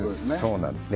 そうなんです